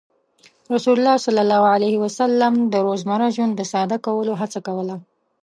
رسول الله صلى الله عليه وسلم د روزمره ژوند د ساده کولو هڅه کوله.